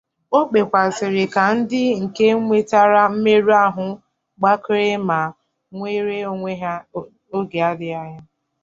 O kpekwazịrị ka ndị nke nwetara mmerụahụ gbakere ma nwere onwe ha oge adịghị anya